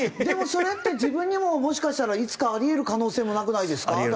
でもそれって自分にももしかしたらいつかあり得る可能性もなくないですか？